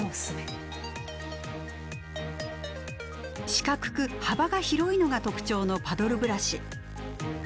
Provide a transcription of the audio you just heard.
四角く幅が広いのが特徴のパドルブラシ。